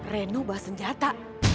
reno bawa senjata